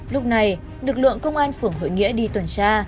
lúc này lực lượng công an phường hội nghĩa đi tuần tra